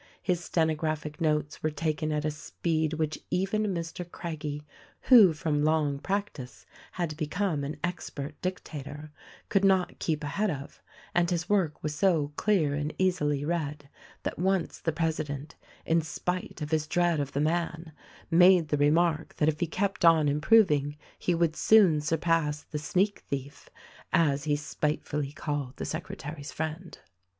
His stenographic notes were taken at a speed which even Mr. Craggie, who from long practice had become an expert dictator, could not keep ahead of; and his work was so clear and easily read that once the president — in spite of his dread of the man — made the remark that if he kept on improving he would soon surpass the sneak thief — as he spitefully called the secretary's friend.